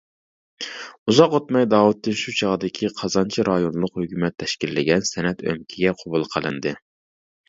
ئۇزاق ئۆتمەي داۋۇتتىن شۇ چاغدىكى قازانچى رايونلۇق ھۆكۈمەت تەشكىللىگەن سەنئەت ئۆمىكىگە قوبۇل قىلىندى.